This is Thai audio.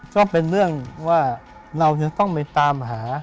ก็เป็นเรื่องว่าเราจะต้องไปตามหา